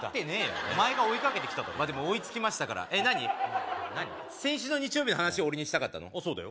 お前が追いかけてきたでも追いつきましたから先週の日曜日の話をしたかったのそうだよ